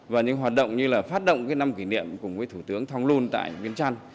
và những hoạt động như là phát động cái năm kỷ niệm cùng với thủ tướng thong lun tại nguyễn trăn